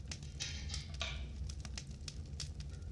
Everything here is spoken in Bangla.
যেভাবে সাইমনকে সুযোগ থাকা স্বত্বেও সে মেরে ফেলেনি।